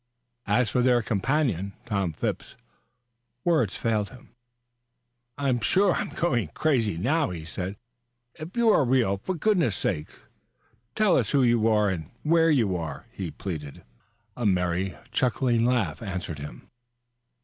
As for their companion, Tom Phipps, words failed him. "I'm sure I'm going crazy now," he said. "If you are real, for goodness' sake tell us who you are and where you are?" he pleaded. A merry, chuckling laugh answered him.